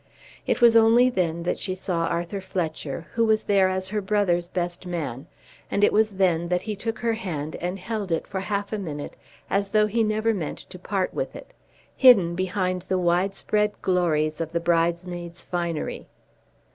It was only then that she saw Arthur Fletcher, who was there as her brother's best man, and it was then that he took her hand and held it for half a minute as though he never meant to part with it, hidden behind the wide spread glories of the bridesmaids' finery.